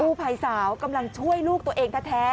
โรดเจ้าเจ้าเจ้าเจ้าเจ้าเจ้าเจ้าเจ้าเจ้าเจ้า